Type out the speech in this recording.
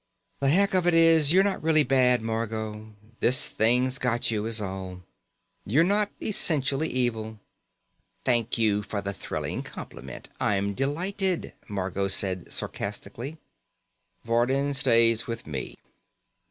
"The heck of it is, you're not really bad, Margot. This thing's got you, is all. You're not essentially evil." "Thank you for the thrilling compliment. I'm delighted," Margot said sarcastically. "Vardin stays with me."